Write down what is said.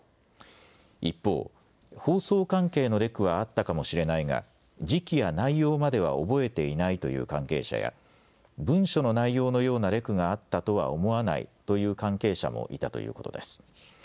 一方、放送関係のレクはあったかもしれないが時期や内容までは覚えていないという関係者や文書の内容のようなレクがあったとは思わないという関係者もいたということです。